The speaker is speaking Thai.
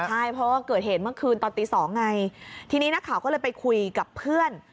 ใช่เพราะว่าเกิดเหตุเมื่อคืนตอนตีสองไงทีนี้นักข่าวก็เลยไปคุยกับเพื่อน